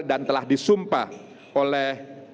dan telah disumpah oleh